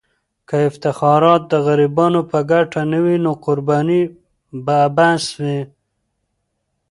که افتخارات د غریبانو په ګټه نه وي، نو قرباني به عبث وي.